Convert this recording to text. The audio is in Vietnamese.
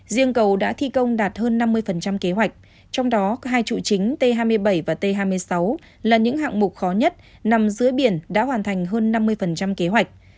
riêng cầu đã thi công đạt hơn năm mươi kế hoạch trong đó hai trụ chính t hai mươi bảy và t hai mươi sáu là những hạng mục khó nhất nằm dưới biển đã hoàn thành hơn năm mươi kế hoạch